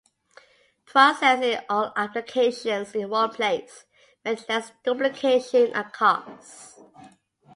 Processing all applications in one place meant less duplication and costs.